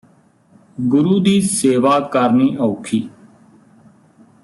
ਗੁਰੂ ਦੀ ਸੇਵਾ ਕਰਨੀ ਔਖੀ